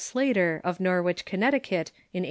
Slater, of Norwich, Connecticut, in 1882.